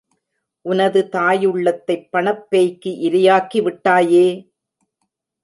உனது தாயுள்ளத்தைப் பணப் பேய்க்கு இரையாக்கி விட்டாயே!